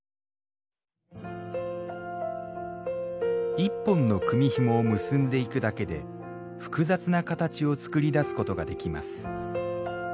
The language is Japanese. １本の組みひもを結んでいくだけで複雑な形を作り出すことができます。